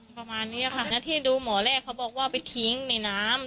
ประมาณนี้ค่ะหน้าที่ดูหมอแรกเขาบอกว่าไปทิ้งในน้ำ